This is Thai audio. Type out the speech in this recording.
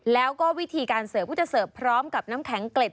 แล้วก็วิธีการเสิร์ฟก็จะเสิร์ฟพร้อมกับน้ำแข็งเกล็ด